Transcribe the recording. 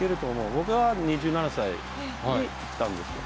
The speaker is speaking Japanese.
僕は２７歳でいったんですよ。